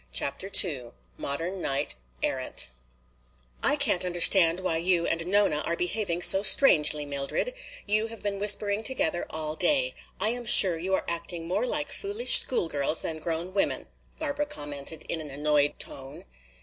CHAPTER II A Modern Knight Errant "I can't understand why you and Nona are behaving so strangely, Mildred. You have been whispering together all day. I am sure you are acting more like foolish school girls than grown women," Barbara commented in an annoyed tone.